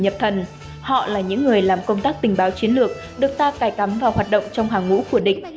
làm công tác tình báo chiến lược được ta cài cắm vào hoạt động trong hàng ngũ của địch